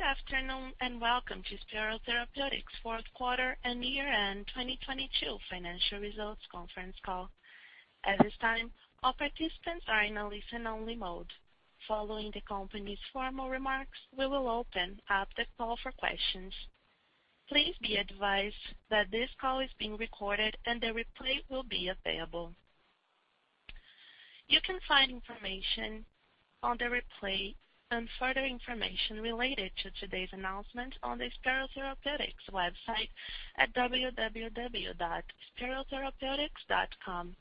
Good afternoon, and welcome to Spero Therapeutics' fourth quarter and year-end 2022 financial results conference call. At this time, all participants are in a listen-only mode. Following the company's formal remarks, we will open up the call for questions. Please be advised that this call is being recorded and the replay will be available. You can find information on the replay and further information related to today's announcement on the Spero Therapeutics website at www.sperotherapeutics.com.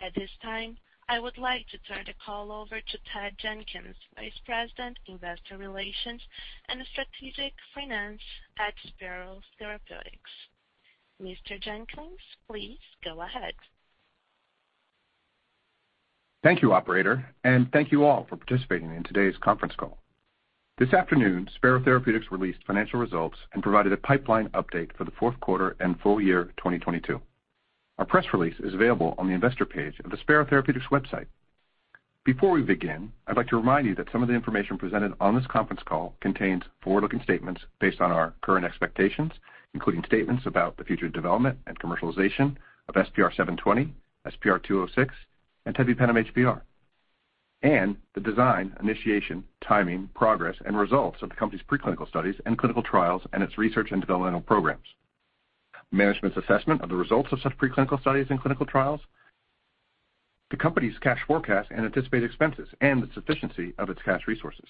At this time, I would like to turn the call over to Ted Jenkins, Vice President, Investor Relations and Strategic Finance at Spero Therapeutics. Mr. Jenkins, please go ahead. Thank you, operator, and thank you all for participating in today's conference call. This afternoon, Spero Therapeutics released financial results and provided a pipeline update for the fourth quarter and full year 2022. Our press release is available on the investor page of the Spero Therapeutics website. Before we begin, I'd like to remind you that some of the information presented on this conference call contains forward-looking statements based on our current expectations, including statements about the future development and commercialization of SPR720, SPR206, and tebipenem HBr. The design, initiation, timing, progress, and results of the company's pre-clinical studies and clinical trials and its research and developmental programs. Management's assessment of the results of such pre-clinical studies and clinical trials, the company's cash forecast and anticipated expenses, and the sufficiency of its cash resources.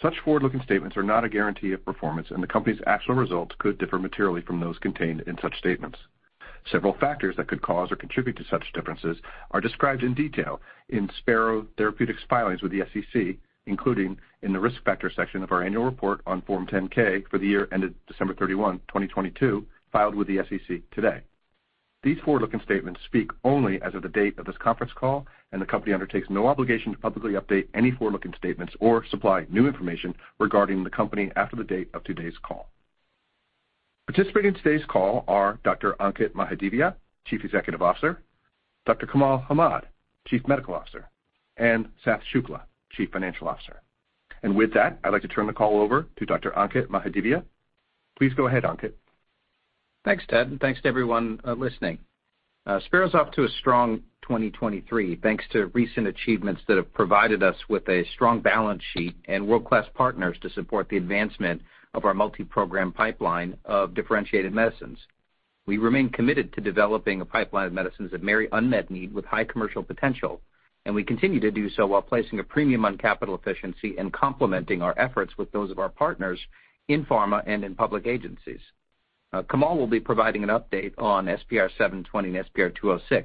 Such forward-looking statements are not a guarantee of performance, and the company's actual results could differ materially from those contained in such statements. Several factors that could cause or contribute to such differences are described in detail in Spero Therapeutics' filings with the SEC, including in the Risk Factors section of our annual report on Form 10-K for the year ended December 31, 2022, filed with the SEC today. These forward-looking statements speak only as of the date of this conference call, the company undertakes no obligation to publicly update any forward-looking statements or supply new information regarding the company after the date of today's call. Participating in today's call are Dr. Ankit Mahadevia, Chief Executive Officer, Dr. Kamal Hamed, Chief Medical Officer, and Sath Shukla, Chief Financial Officer. With that, I'd like to turn the call over to Dr. Ankit Mahadevia. Please go ahead, Ankit. Thanks, Ted, and thanks to everyone listening. Spero's off to a strong 2023, thanks to recent achievements that have provided us with a strong balance sheet and world-class partners to support the advancement of our multi-program pipeline of differentiated medicines. We remain committed to developing a pipeline of medicines that marry unmet need with high commercial potential, and we continue to do so while placing a premium on capital efficiency and complementing our efforts with those of our partners in pharma and in public agencies. Kamal will be providing an update on SPR720 and SPR206.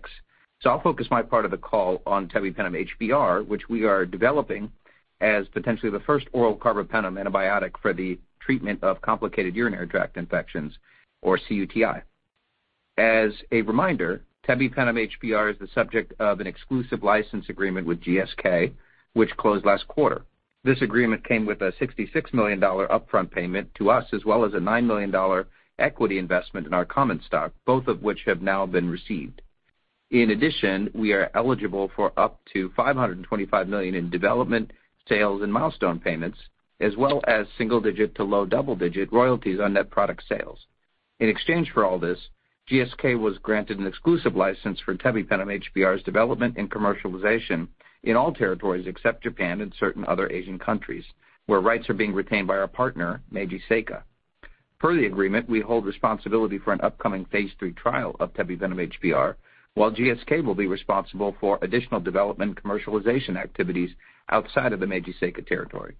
I'll focus my part of the call on tebipenem HBr, which we are developing as potentially the first oral carbapenem antibiotic for the treatment of complicated urinary tract infections, or cUTI. As a reminder, tebipenem HBr is the subject of an exclusive license agreement with GSK, which closed last quarter. This agreement came with a $66 million upfront payment to us, as well as a $9 million equity investment in our common stock, both of which have now been received. In addition, we are eligible for up to $525 million in development, sales, and milestone payments, as well as single-digit to low double-digit royalties on net product sales. In exchange for all this, GSK was granted an exclusive license for tebipenem HBr's development and commercialization in all territories except Japan and certain other Asian countries, where rights are being retained by our partner, Meiji Seika. Per the agreement, we hold responsibility for an upcoming Phase 3 trial of tebipenem HBr, while GSK will be responsible for additional development and commercialization activities outside of the Meiji Seika territory.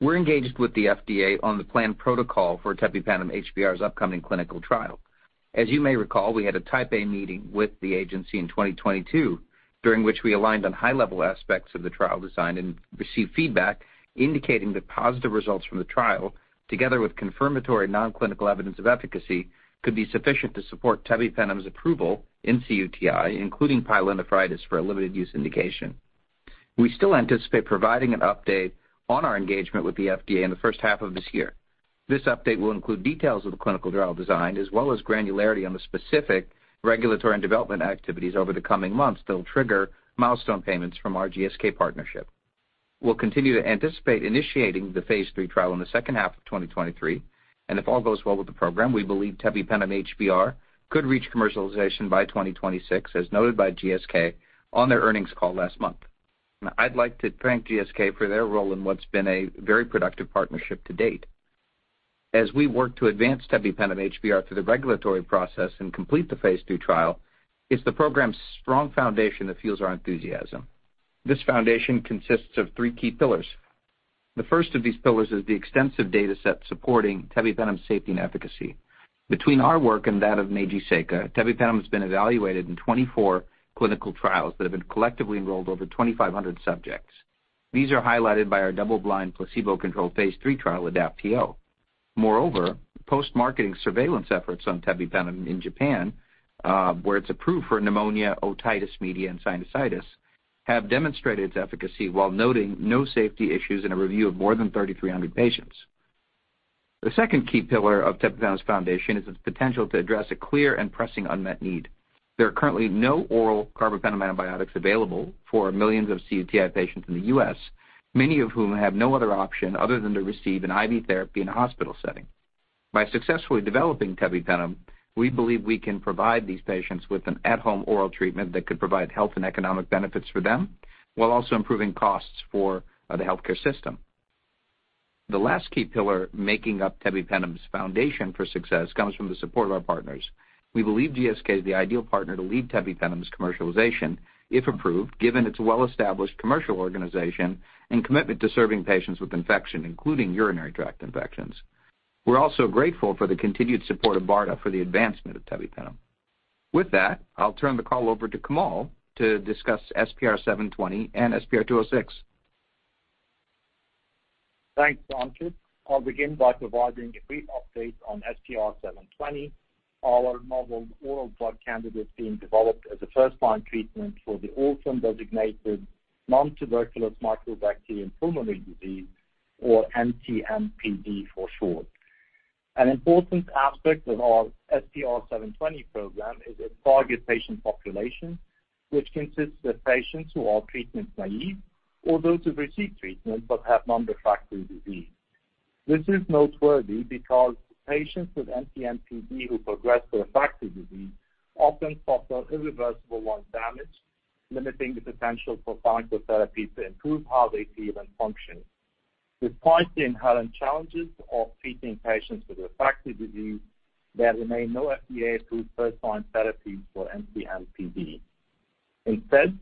We're engaged with the FDA on the planned protocol for tebipenem HBr's upcoming clinical trial. As you may recall, we had a Type A meeting with the agency in 2022, during which we aligned on high-level aspects of the trial design and received feedback indicating that positive results from the trial, together with confirmatory non-clinical evidence of efficacy, could be sufficient to support tebipenem's approval in cUTI, including pyelonephritis for a limited use indication. We still anticipate providing an update on our engagement with the FDA in the first half of this year. This update will include details of the clinical trial design as well as granularity on the specific regulatory and development activities over the coming months that'll trigger milestone payments from our GSK partnership. We'll continue to anticipate initiating the Phase 3 trial in the second half of 2023, if all goes well with the program, we believe tebipenem HBr could reach commercialization by 2026, as noted by GSK on their earnings call last month. I'd like to thank GSK for their role in what's been a very productive partnership to date. As we work to advance tebipenem HBr through the regulatory process and complete the phase II trial, it's the program's strong foundation that fuels our enthusiasm. This foundation consists of three key pillars. The first of these pillars is the extensive dataset supporting tebipenem's safety and efficacy. Between our work and that of Meiji Seika, tebipenem has been evaluated in 24 clinical trials that have been collectively enrolled over 2,500 subjects. These are highlighted by our double-blind, placebo-controlled phase III trial, ADAPT-PO. Moreover, post-marketing surveillance efforts on tebipenem in Japan, where it's approved for pneumonia, otitis media, and sinusitis, have demonstrated its efficacy while noting no safety issues in a review of more than 3,300 patients. The second key pillar of tebipenem's foundation is its potential to address a clear and pressing unmet need. There are currently no oral carbapenem antibiotics available for millions of cUTI patients in the U.S., many of whom have no other option other than to receive an IV therapy in a hospital setting. By successfully developing tebipenem, we believe we can provide these patients with an at-home oral treatment that could provide health and economic benefits for them while also improving costs for the healthcare system. The last key pillar making up tebipenem's foundation for success comes from the support of our partners. We believe GSK is the ideal partner to lead tebipenem's commercialization if approved, given its well-established commercial organization and commitment to serving patients with infection, including urinary tract infections. We're also grateful for the continued support of BARDA for the advancement of tebipenem. With that, I'll turn the call over to Kamal to discuss SPR720 and SPR206. Thanks, Ankit. I'll begin by providing a brief update on SPR720, our novel oral drug candidate being developed as a first-line treatment for the orphan-designated nontuberculous mycobacterial pulmonary disease, or NTM PD for short. An important aspect of our SPR720 program is its target patient population, which consists of patients who are treatment naive or those who've received treatment but have non-refractory disease. This is noteworthy because patients with NTM PD who progress to refractory disease often suffer irreversible lung damage, limiting the potential for pharmacotherapy to improve how they feel and function. Despite the inherent challenges of treating patients with refractory disease, there remain no FDA-approved first-line therapies for NTM PD. Instead,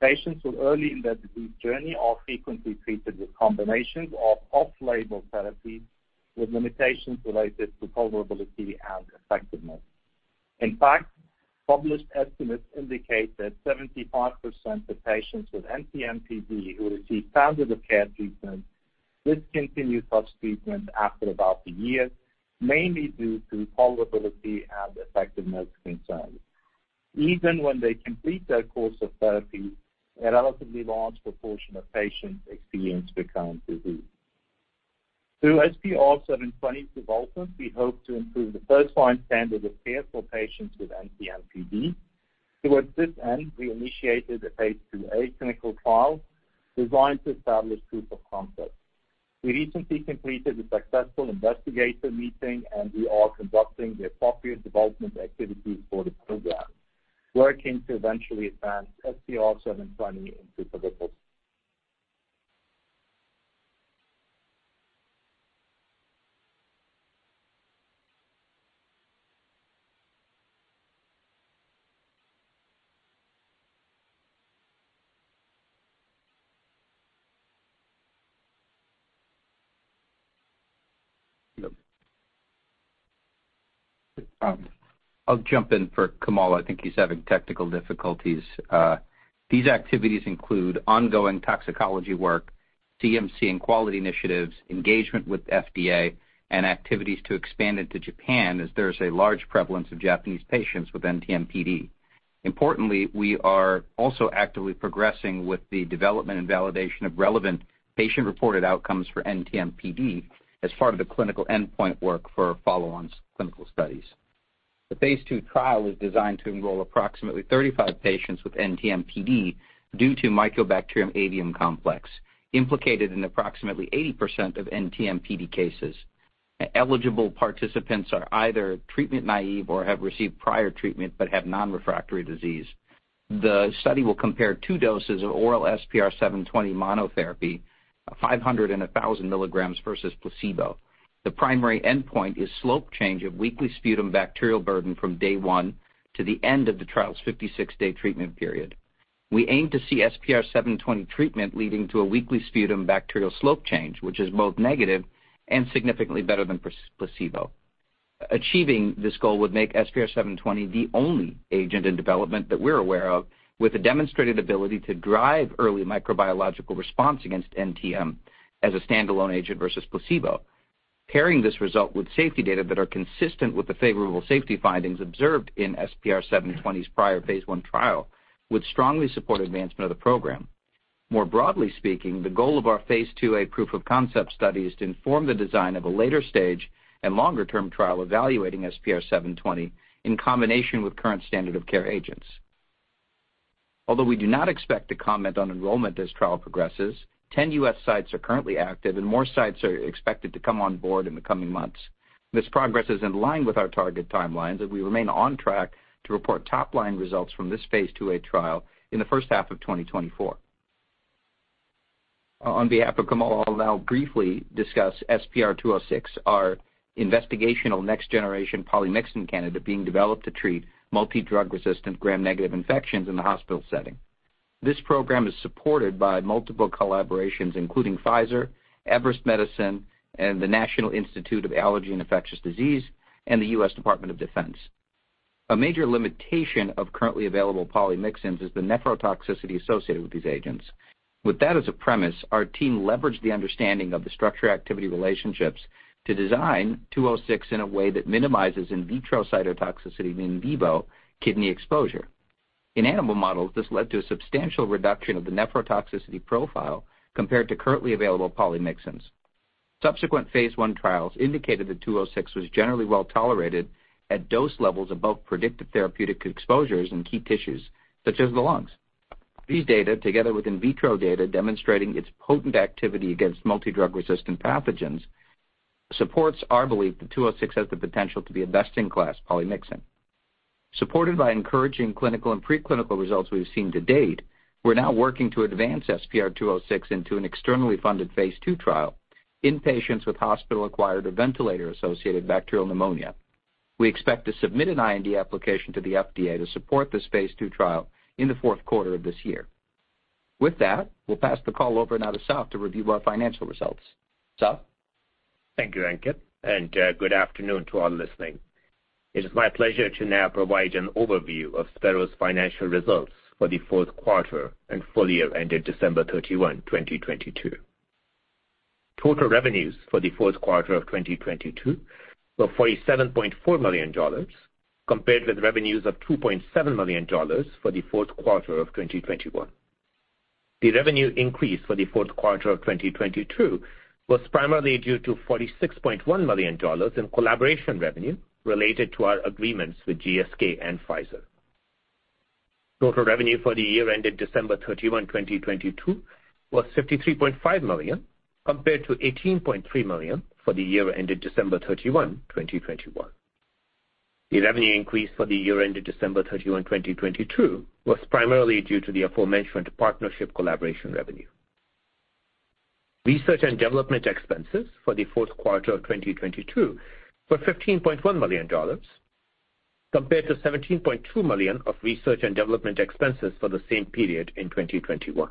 patients who early in their disease journey are frequently treated with combinations of off-label therapies with limitations related to tolerability and effectiveness. In fact, published estimates indicate that 75% of patients with NTM PD who receive standard of care treatment discontinue such treatment after about a year, mainly due to tolerability and effectiveness concerns. Even when they complete their course of therapy, a relatively large proportion of patients experience recurrent disease. Through SPR720's development, we hope to improve the first-line standard of care for patients with NTM PD. Towards this end, we initiated a phase II-A clinical trial designed to establish proof of concept. We recently completed a successful investigator meeting, and we are conducting the appropriate development activities for the program, working to eventually advance SPR720 into. I'll jump in for Kamal. I think he's having technical difficulties. These activities include ongoing toxicology work, CMC and quality initiatives, engagement with FDA, and activities to expand into Japan as there is a large prevalence of Japanese patients with NTM PD. Importantly, we are also actively progressing with the development and validation of relevant patient-reported outcomes for NTM PD as part of the clinical endpoint work for our follow-on clinical studies. The phase II trial is designed to enroll approximately 35 patients with NTM PD due to Mycobacterium avium complex, implicated in approximately 80% of NTM PD cases. Eligible participants are either treatment naive or have received prior treatment but have non-refractory disease. The study will compare two doses of oral SPR720 monotherapy, 500 and 1,000 milligrams versus placebo. The primary endpoint is slope change of weekly sputum bacterial burden from day one to the end of the trial's 56-day treatment period. We aim to see SPR720 treatment leading to a weekly sputum bacterial slope change, which is both negative and significantly better than placebo. Achieving this goal would make SPR720 the only agent in development that we're aware of with a demonstrated ability to drive early microbiological response against NTM as a standalone agent versus placebo. Pairing this result with safety data that are consistent with the favorable safety findings observed in SPR720's prior phase I trial would strongly support advancement of the program. More broadly speaking, the goal of our phase II-A proof of concept study is to inform the design of a later stage and longer-term trial evaluating SPR720 in combination with current standard of care agents. Although we do not expect to comment on enrollment as trial progresses, 10 U.S. sites are currently active and more sites are expected to come on board in the coming months. This progress is in line with our target timelines, and we remain on track to report top-line results from this phase II-A trial in the first half of 2024. On behalf of Kamal, I'll now briefly discuss SPR206, our investigational next generation polymyxin candidate being developed to treat multi-drug resistant gram-negative infections in the hospital setting. This program is supported by multiple collaborations including Pfizer, Everest Medicines, and the National Institute of Allergy and Infectious Diseases, and the U.S. Department of Defense. A major limitation of currently available polymyxins is the nephrotoxicity associated with these agents. With that as a premise, our team leveraged the understanding of the structure activity relationships to design 206 in a way that minimizes in vitro cytotoxicity and in vivo kidney exposure. In animal models, this led to a substantial reduction of the nephrotoxicity profile compared to currently available polymyxins. Subsequent phase I trials indicated that 206 was generally well tolerated at dose levels above predicted therapeutic exposures in key tissues such as the lungs. These data, together with in vitro data demonstrating its potent activity against multi-drug resistant pathogens, supports our belief that 206 has the potential to be a best in class polymyxin. Supported by encouraging clinical and preclinical results we've seen to date, we're now working to advance SPR206 into an externally funded phase II trial in patients with hospital-acquired or ventilator-associated bacterial pneumonia. We expect to submit an IND application to the FDA to support this phase II trial in the fourth quarter of this year. With that, we'll pass the call over now to Sath to review our financial results. Sath? Thank you, Ankit, and good afternoon to all listening. It is my pleasure to now provide an overview of Spero's financial results for the fourth quarter and full year ended December 31, 2022. Total revenues for the fourth quarter of 2022 were $47.4 million, compared with revenues of $2.7 million for the fourth quarter of 2021. The revenue increase for the fourth quarter of 2022 was primarily due to $46.1 million in collaboration revenue related to our agreements with GSK and Pfizer. Total revenue for the year ended December 31, 2022 was $53.5 million, compared to $18.3 million for the year ended December 31, 2021. The revenue increase for the year ended December 31, 2022 was primarily due to the aforementioned partnership collaboration revenue. Research and development expenses for the fourth quarter of 2022 were $15.1 million compared to $17.2 million of research and development expenses for the same period in 2021.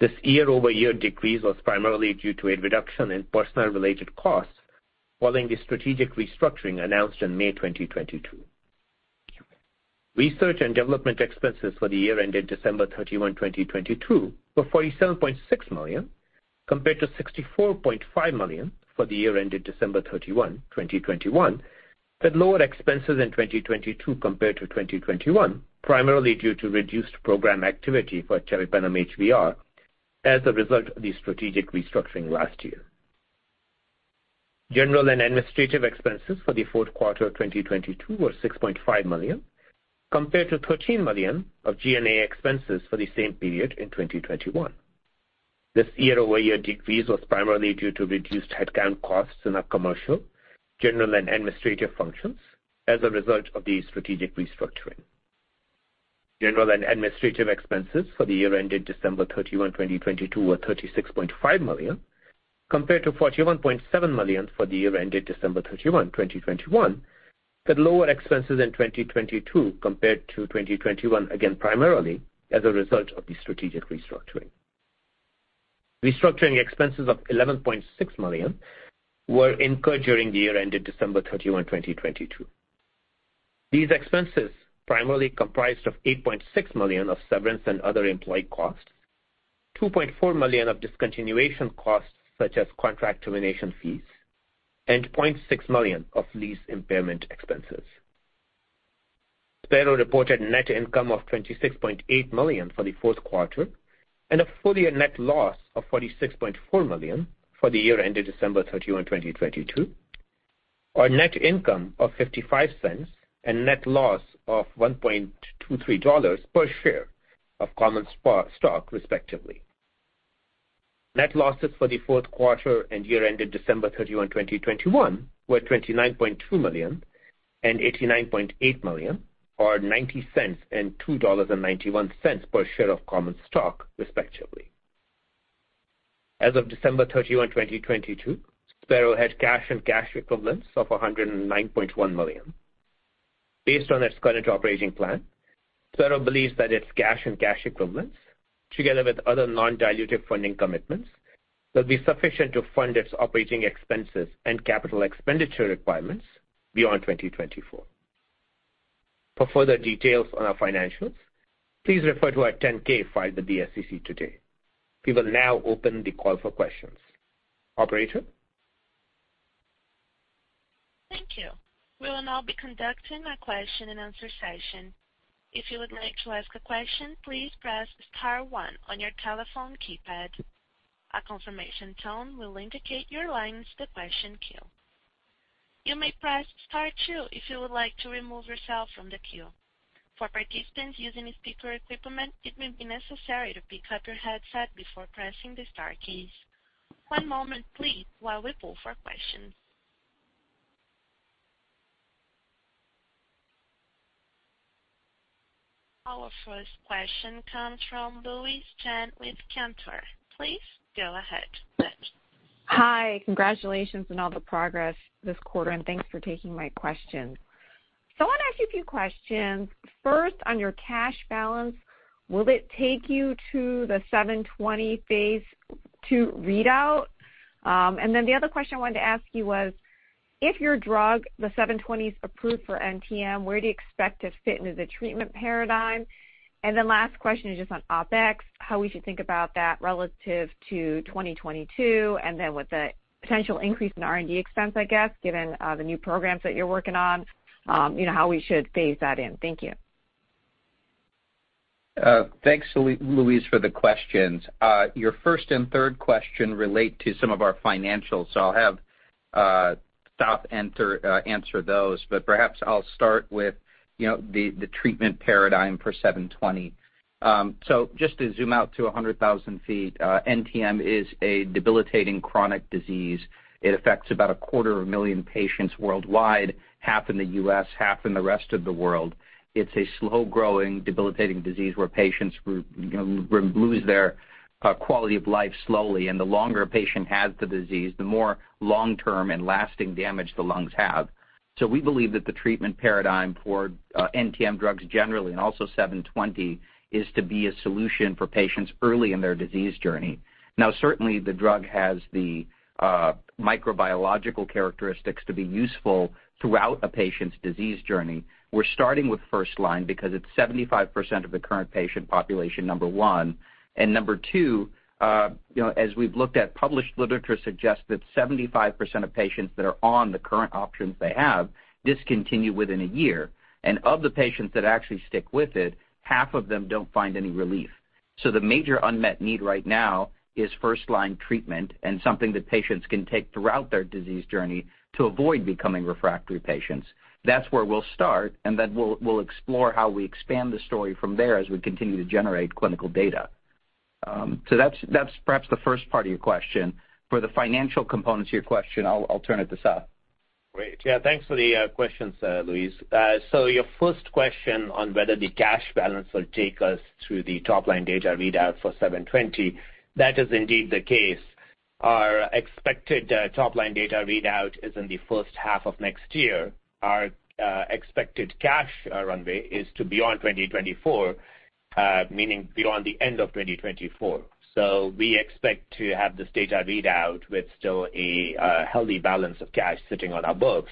This year-over-year decrease was primarily due to a reduction in personnel-related costs following the strategic restructuring announced in May 2022. Research and development expenses for the year ended December 31, 2022 were $47.6 million, compared to $64.5 million for the year ended December 31, 2021, with lower expenses in 2022 compared to 2021, primarily due to reduced program activity for tebipenem HBr as a result of the strategic restructuring last year. General and administrative expenses for the fourth quarter of 2022 were $6.5 million, compared to $13 million of G&A expenses for the same period in 2021. This year-over-year decrease was primarily due to reduced headcount costs in our commercial, general and administrative functions as a result of the strategic restructuring. General and administrative expenses for the year ended December 31, 2022 were $36.5 million, compared to $41.7 million for the year ended December 31, 2021, with lower expenses in 2022 compared to 2021, again, primarily as a result of the strategic restructuring. Restructuring expenses of $11.6 million were incurred during the year ended December 31, 2022. These expenses primarily comprised of $8.6 million of severance and other employee costs, $2.4 million of discontinuation costs such as contract termination fees, and $0.6 million of lease impairment expenses. Spero reported net income of $26.8 million for the fourth quarter and a full year net loss of $46.4 million for the year ended December 31, 2022, or net income of $0.55 and net loss of $1.23 per share of common stock, respectively. Net losses for the fourth quarter and year ended December 31, 2021 were $29.2 million and $89.8 million, or $0.90 and $2.91 per share of common stock, respectively. As of December 31, 2022, Spero had cash and cash equivalents of $109.1 million. Based on its current operating plan, Spero believes that its cash and cash equivalents, together with other non-dilutive funding commitments, will be sufficient to fund its operating expenses and capital expenditure requirements beyond 2024. For further details on our financials, please refer to our 10-K filed with the SEC today. We will now open the call for questions. Operator? Thank you. We will now be conducting our question and answer session. If you would like to ask a question, please press star one on your telephone keypad. A confirmation tone will indicate your line is in the question queue. You may press star two if you would like to remove yourself from the queue. For participants using speaker equipment, it may be necessary to pick up your headset before pressing the star keys. One moment please while we poll for questions. Our first question comes from Louise Chen with Cantor. Please go ahead. Hi. Congratulations on all the progress this quarter. Thanks for taking my question. I want to ask you a few questions. First, on your cash balance, will it take you to the SPR720 Phase II readout? The other question I wanted to ask you was, if your drug, the SPR720 is approved for NTM, where do you expect to fit into the treatment paradigm? The last question is just on OpEx, how we should think about that relative to 2022, and then with the potential increase in R&D expense, I guess, given the new programs that you're working on, you know, how we should phase that in. Thank you. Thanks, Louise, for the questions. Your first and third question relate to some of our financials, so I'll have Sath answer those, but perhaps I'll start with, you know, the treatment paradigm for SPR720. So just to zoom out to 100,000 feet, NTM is a debilitating chronic disease. It affects about a quarter of a million patients worldwide, half in the U.S., half in the rest of the world. It's a slow-growing, debilitating disease where patients you know, lose their quality of life slowly. The longer a patient has the disease, the more long-term and lasting damage the lungs have. We believe that the treatment paradigm for NTM drugs generally and also SPR720 is to be a solution for patients early in their disease journey. Certainly, the drug has the microbiological characteristics to be useful throughout a patient's disease journey. We're starting with first line because it's 75% of the current patient population, number one. Number two, you know, as we've looked at published literature suggests that 75% of patients that are on the current options they have discontinue within a year. Of the patients that actually stick with it, half of them don't find any relief. The major unmet need right now is first line treatment and something that patients can take throughout their disease journey to avoid becoming refractory patients. That's where we'll start, and then we'll explore how we expand the story from there as we continue to generate clinical data. That's perhaps the first part of your question. For the financial components of your question, I'll turn it to Sath. Great. Yeah, thanks for the questions, Louise. Your first question on whether the cash balance will take us through the top-line data readout for SPR720, that is indeed the case. Our expected top-line data readout is in the first half of next year. Our expected cash runway is to beyond 2024, meaning beyond the end of 2024. We expect to have this data readout with still a healthy balance of cash sitting on our books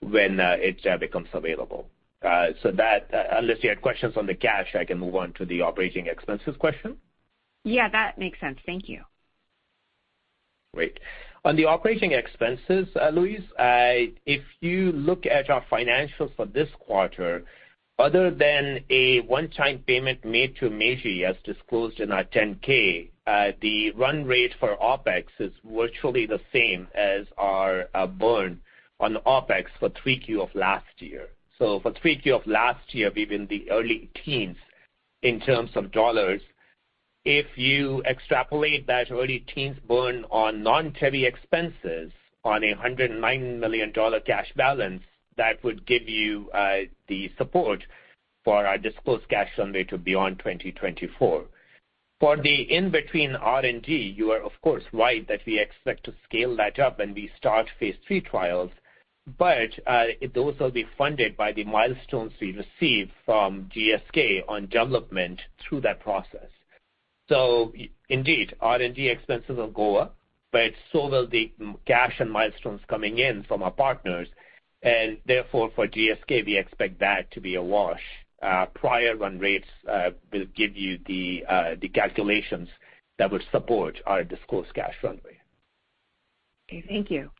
when it becomes available. Unless you had questions on the cash, I can move on to the operating expenses question. Yeah, that makes sense. Thank you. Great. On the operating expenses, Louise, if you look at our financials for this quarter, other than a one-time payment made to Meiji as disclosed in our 10-K, the run rate for OpEx is virtually the same as our burn on OpEx for 3Q of last year. For 3Q of last year, we were in the early teens in terms of dollars. If you extrapolate that early teens burn on non-Tebipenem expenses on a $109 million cash balance, that would give you the support for our disclosed cash runway to beyond 2024. For the in-between R&D, you are of course right that we expect to scale that up when we start phase III trials, those will be funded by the milestones we receive from GSK on development through that process. Indeed, R&D expenses will go up, but so will the cash and milestones coming in from our partners. Therefore, for GSK, we expect that to be a wash. Prior run rates will give you the calculations that would support our disclosed cash runway. Okay, thank you.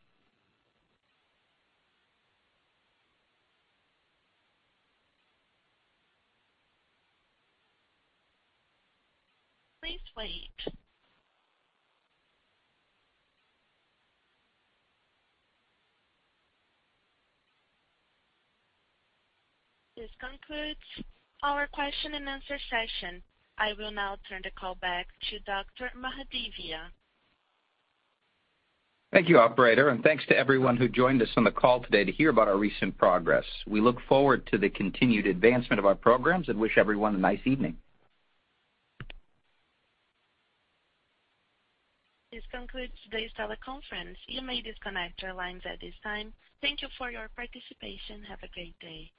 Please wait. This concludes our question-and-answer session. I will now turn the call back to Dr. Mahadevia. Thank you, operator. Thanks to everyone who joined us on the call today to hear about our recent progress. We look forward to the continued advancement of our programs and wish everyone a nice evening. This concludes today's teleconference. You may disconnect your lines at this time. Thank you for your participation. Have a great day.